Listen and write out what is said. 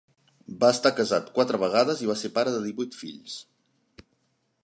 Va estar casat quatre vegades i va ser pare de divuit fills.